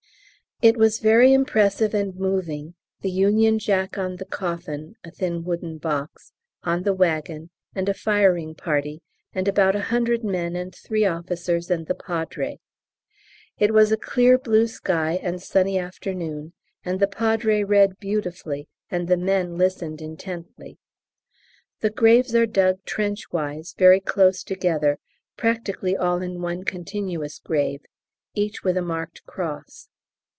It was very impressive and moving, the Union Jack on the coffin (a thin wooden box) on the waggon, and a firing party, and about a hundred men and three officers and the Padre. It was a clear blue sky and sunny afternoon, and the Padre read beautifully and the men listened intently. The graves are dug trenchwise, very close together, practically all in one continuous grave, each with a marked cross.